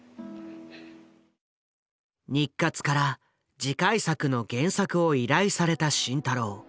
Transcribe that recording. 日活から次回作の原作を依頼された慎太郎。